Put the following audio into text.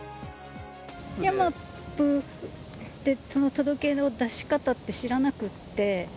ヤマップでの届け出の出し方を知らなくて。